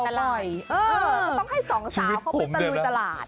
ก็ต้องให้สองสาวเขาไปตะลุยตลาด